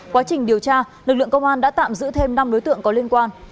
quá trình điều tra lực lượng công an đã tạm giữ thêm năm đối tượng có liên quan